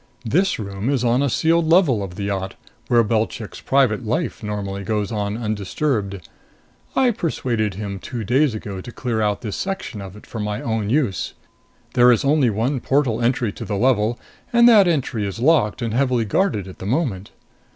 This room is on a sealed level of the yacht, where Belchik's private life normally goes on undisturbed. I persuaded him two days ago to clear out this section of it for my own use. There is only one portal entry to the level, and that entry is locked and heavily guarded at the moment.